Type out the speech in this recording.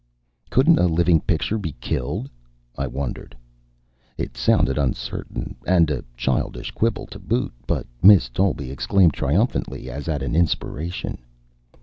"Couldn't a living picture be killed?" I wondered. It sounded uncertain, and a childish quibble to boot, but Miss Dolby exclaimed triumphantly, as at an inspiration.